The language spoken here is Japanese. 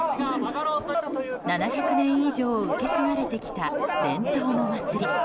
７００年以上受け継がれてきた伝統の祭り。